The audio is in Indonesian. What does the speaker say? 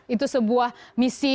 itu sebuah misi